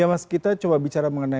ya mas kita coba bicara mengenai